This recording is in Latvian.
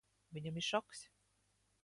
Viņam ir šoks.